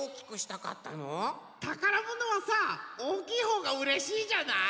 たからものはさおおきいほうがうれしいじゃない？